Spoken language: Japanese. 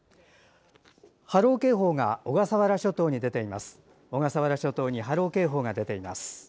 波浪警報が小笠原諸島に出ています。